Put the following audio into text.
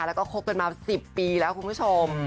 แล้วก็คบกันมา๑๐ปีแล้วคุณผู้ชม